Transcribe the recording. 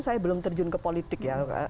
saya belum terjun ke politik ya